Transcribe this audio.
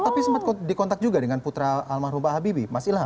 tapi sempat dikontak juga dengan putra almarhum pak habibie mas ilham